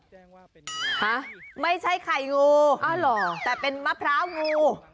ฮะไม่ใช่ไข่นูแต่เป็นมะพร้าวงู